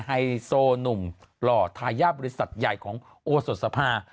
ไฮโซหนุ่มหล่อทายาทบริษัทใหญ่ของโอสดสภา